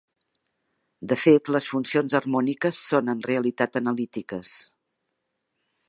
De fet, les funcions harmòniques són en realitat analítiques.